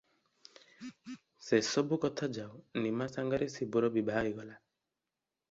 ସେ ସବୁ କଥା ଯାଉ, ନିମା ସଙ୍ଗରେ ଶିବୁର ବିଭା ହୋଇଗଲା ।